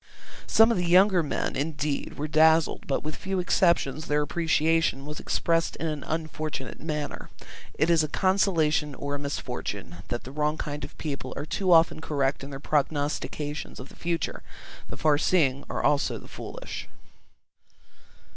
Some of the younger men indeed were dazzled, but with few exceptions their appreciation was expressed in an unfortunate manner. It is a consolation or a misfortune that the wrong kind of people are too often correct in their prognostications of the future; the far seeing are also the foolish.